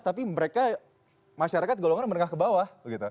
tapi mereka masyarakat golongan menengah ke bawah